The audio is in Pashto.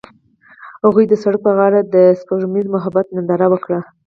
هغوی د سړک پر غاړه د سپوږمیز محبت ننداره وکړه.